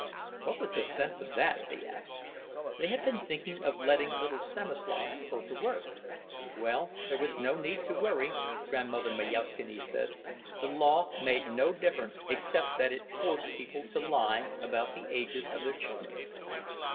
What was the sense of that? they asked. They had been thinking of letting little Stanislovas go to work. Well, there was no need to worry, Grandmother Majauszkiene said—the law made no difference except that it forced people to lie about the ages of their children.